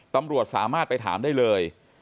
ตำรวจสามารถไปถามได้เลย